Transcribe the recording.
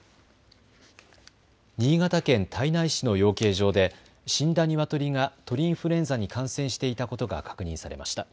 新潟県胎内市の養鶏場で死んだニワトリが鳥インフルエンザに感染していたことが確認されました。